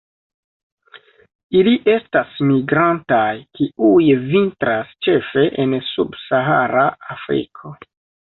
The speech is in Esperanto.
Ili estas migrantaj, kiuj vintras ĉefe en subsahara Afriko.